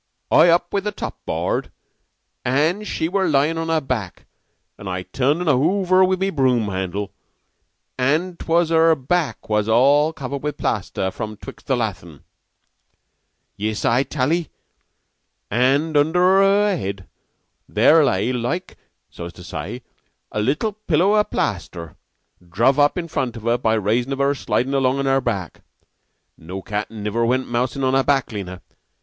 I up with the top board, an' she were lying on her back, an' I turned un ovver with the brume handle, an' 'twas her back was all covered with the plaster from 'twixt the lathin'. Yiss, I tal 'ee. An' under her head there lay, like, so's to say, a little pillow o' plaster druv up in front of her by raison of her slidin' along on her back. No cat niver went mousin' on her back, Lena.